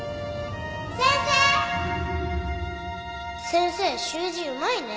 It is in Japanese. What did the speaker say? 先生習字うまいね